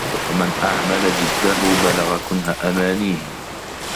وَمَنْ أَعْمَلَ جِدَّهُ بَلَغَ كُنْهَ أَمَانِيهِ